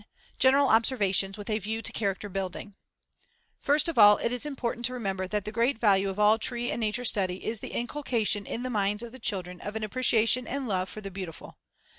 General observations with a view to character building: First of all it is important to remember that the great value of all tree and nature study is the inculcation in the minds of the children of an appreciation and love for the beautiful.